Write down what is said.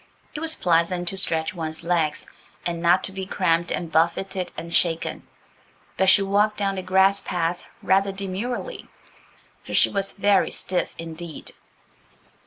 It was pleasant to stretch one's legs, and not to be cramped and buffeted and shaken. But she walked down the grass path rather demurely, for she was very stiff indeed.